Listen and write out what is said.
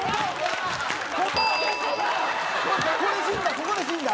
ここで死んだ？